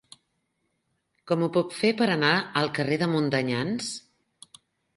Com ho puc fer per anar al carrer de Montanyans?